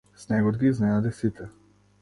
Снегот ги изненади сите.